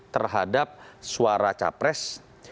terhadap suara capres